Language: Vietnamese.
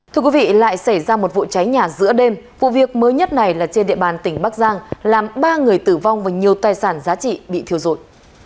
thưa quý vị lại xảy ra một vụ cháy nhà giữa đêm vụ việc mới nhất này là trên địa bàn tỉnh bắc giang làm ba người tử vong và nhiều tài sản giá trị bị thiêu rụi